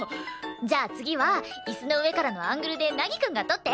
じゃあ次は椅子の上からのアングルで凪くんが撮って。